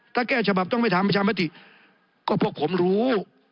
ถ้าแก้ฉบับต้องไปทำประชามติก็พวกผมรู้